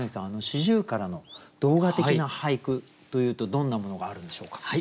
四十雀の動画的な俳句というとどんなものがあるんでしょうか？